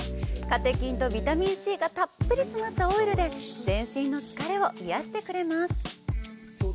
カテキンとビタミンＣがたっぷり詰まったオイルで、全身の疲れを癒やしてくれます。